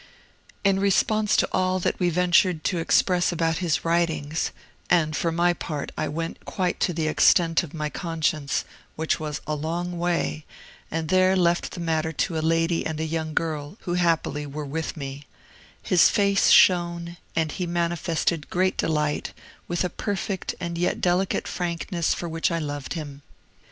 In response to all that we ventured to express about his writings (and, for my part, I went quite to the extent of my conscience, which was a long way, and there left the matter to a lady and a young girl, who happily were with me), his face shone, and he manifested great delight, with a perfect, and yet delicate, frankness for which I loved him.